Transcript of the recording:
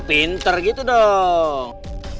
pinter gitu dong